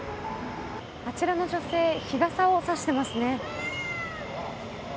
あちらの女性日傘をさしていますね。